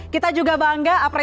kita juga bangga apresiasi tinggi